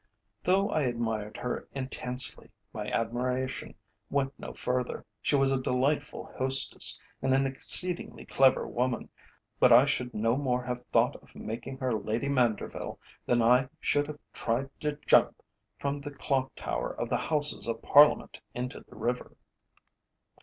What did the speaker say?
Though I admired her intensely, my admiration went no further. She was a delightful hostess and an exceedingly clever woman, but I should no more have thought of making her Lady Manderville than I should have tried to jump from the Clock Tower of the Houses of Parliament into the river.